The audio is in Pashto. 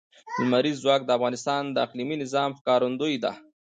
لمریز ځواک د افغانستان د اقلیمي نظام ښکارندوی ده.